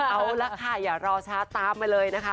เอาละค่ะอย่ารอช้าตามมาเลยนะคะ